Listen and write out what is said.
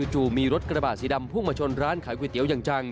มีรถกระบะสีดำพุ่งมาชนร้านขายก๋วยเตี๋ยวอย่างจัง